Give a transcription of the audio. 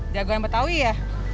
jago yang betawi ya